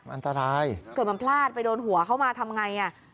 อันตรายเกิดมันพลาดไปโดนหัวเข้ามาทำไงอ่ะ